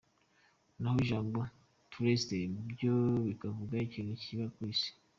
Naho ijambo terrestre byo bikavuga ikintu kiba ku isi.